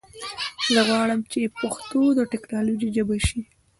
زه غواړم چې پښتو د ټکنالوژي ژبه شي.